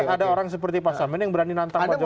ada orang seperti pak samin yang berani nantang pak jokowi